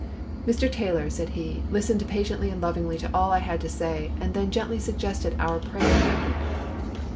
"Mr. Taylor," said he, "listened patiently and lovingly to all I had to say, and then gently suggested our praying about it.